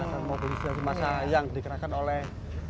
dan mobilisasi masyarakat yang dikerahkan oleh